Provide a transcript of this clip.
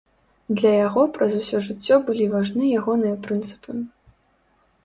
Для яго праз усё жыццё былі важны ягоныя прынцыпы.